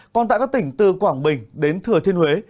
còn tại các tỉnh từ quảng bình đến thừa thiên huế